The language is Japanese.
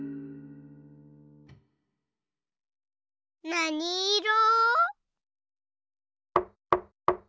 なにいろ？